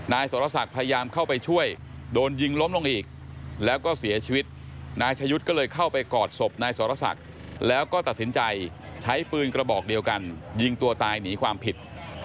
นายสรศักดิ์พยายามเข้าไปช่วยโดนยิงล้มลงอีกแล้วก็เสียชีวิตนายชะยุทธ์ก็เลยเข้าไปกอดศพนายสรศักดิ์แล้วก็ตัดสินใจใช้ปืนกระบอกเดียวกันยิงตัวตายหนีความผิด